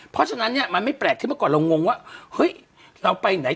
เพราะฉะนั้นเนี่ยมันไม่แปลกที่เมื่อก่อนเรางงว่าเฮ้ยเราไปไหน